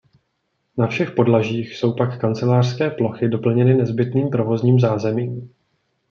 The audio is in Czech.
Na všech podlažích jsou pak kancelářské plochy doplněny nezbytným provozním zázemím.